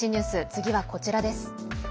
次はこちらです。